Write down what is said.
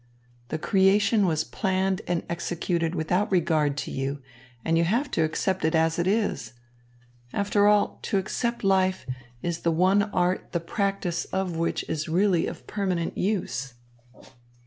The creation was planned and executed without regard to you, and you have to accept it as it is. After all, to accept life is the one art the practice of which is really of permanent use."